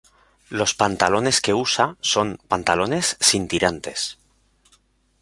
Los pantalones que usa son pantalones sin tirantes.